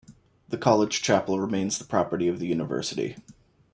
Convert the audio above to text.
The college chapel remains the property of the university.